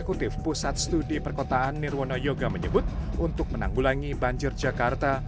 dan ketutif pusat studi perkotaan nirwana yoga menyebut untuk menanggulangi banjir jakarta